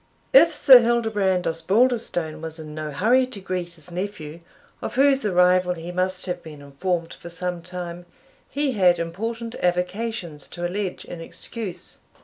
If Sir Hildebrand Osbaldistone was in no hurry to greet his nephew, of whose arrival he must have been informed for some time, he had important avocations to allege in excuse.